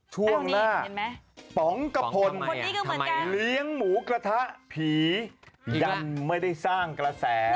ช่วงหน้าป๋องกระพลเลี้ยงหมูกระทะผียันไม่ได้สร้างกระแส